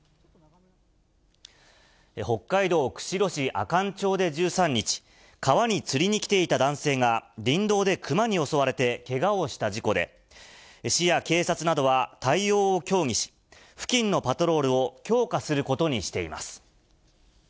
北海道釧路市阿寒町で１３日、川に釣りに来ていた男性が、林道でクマに襲われてけがをした事故で、市や警察などは対応を協議し、付近のパトロールを強化することにしています。